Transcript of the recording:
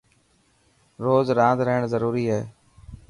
روز راند رهڻ ضروري هي.